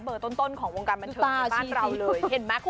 ต้นของวงการบันเทิงในบ้านเราเลยเห็นไหมคุณ